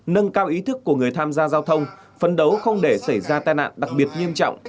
nâng cao ý thức của người tham gia giao thông phấn đấu không để xảy ra tai nạn đặc biệt nghiêm trọng